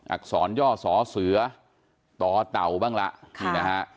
อักษรย่อสอเสือต่อเต่าบ้างละนี่นะฮะ